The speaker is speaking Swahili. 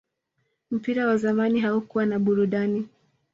mpira wa zamani haukuwa na burudani